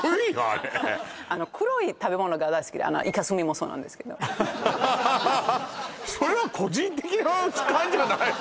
あれ黒い食べ物が大好きでイカスミもそうなんですけどそれは個人的な主観じゃない？